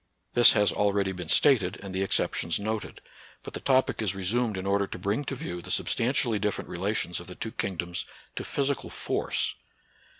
This has already been stated, and the exceptions noted ; but the topic is resumed in order to bring to view the substantially different relations of the two kingdoms to physical force.